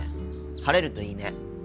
晴れるといいね。